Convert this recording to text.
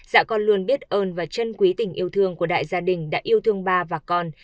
dạ con luôn biết ơn và chân quý tình yêu thương của đại gia đình đã yêu thương ba và con